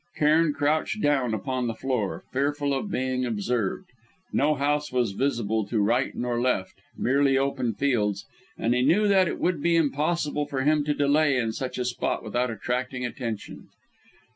Cairn crouched down upon the floor, fearful of being observed. No house was visible to right nor left, merely open fields; and he knew that it would be impossible for him to delay in such a spot without attracting attention.